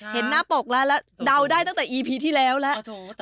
เห็นหน้าปกแล้วแล้วเดาได้ตั้งแต่อีพีที่แล้วแล้ว